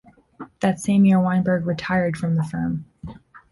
That same year, Weinberg retired from the firm.